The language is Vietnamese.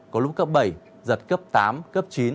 có lúc cấp bảy giật cấp tám cấp chín